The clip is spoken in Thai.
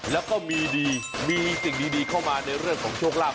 แล้วก็มีดีมีสิ่งดีเข้ามาในเรื่องของโชคลาภ